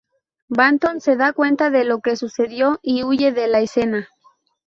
Banton se da cuenta de lo que sucedió y huye de la escena.